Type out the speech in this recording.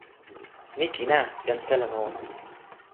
mi kin a, jan Telen o!